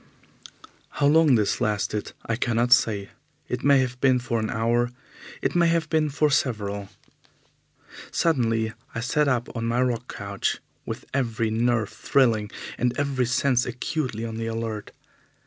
How long this lasted I cannot say. It may have been for an hour, it may have been for several. Suddenly I sat up on my rock couch, with every nerve thrilling and every sense acutely on the alert.